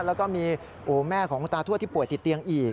แล้วก็มีแม่ของคุณตาทวดที่ป่วยติดเตียงอีก